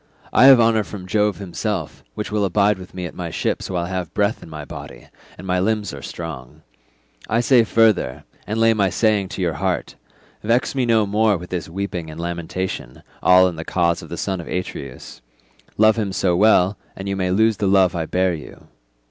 I have honour from Jove himself, which will abide with me at my ships while I have breath in my body, and my limbs are strong. I say further—and lay my saying to your heart—vex me no more with this weeping and lamentation, all in the cause of the son of Atreus. Love him so well, and you may lose the love I bear you.